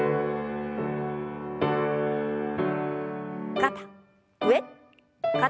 肩上肩下。